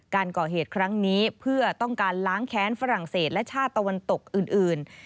การก่อเหตุครั้งนี้เพื่อต้องการล้างแค้นฝรั่งเศสและชาติตะวันตกอื่น